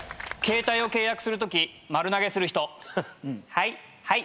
はいはい。